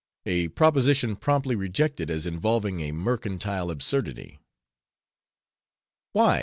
A proposition promptly rejected, as involving a mercantile absurdity. "Why?"